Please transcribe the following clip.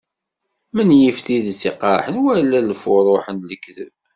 Menyif tidet iqerḥen, wala lfuruḥ n lekdeb.